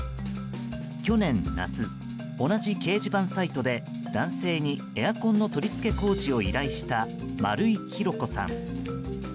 去年夏、同じ掲示板サイトで男性に、エアコンの取り付け工事を依頼した丸井裕子さん。